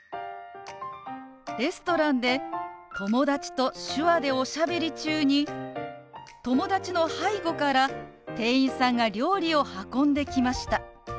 レストランで友達と手話でおしゃべり中に友達の背後から店員さんが料理を運んできました。